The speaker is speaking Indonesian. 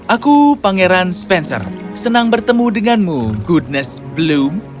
aku pangeran spencer senang bertemu denganmu goodness bloom